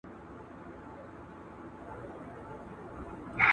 ښوونځي د پوهې centerونه دي.